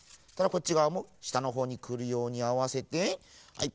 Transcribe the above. こっちがわもしたのほうにくるようにあわせてはい。